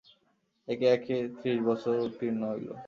একে একে ত্রিশ বৎসর উত্তীর্ণ হইল।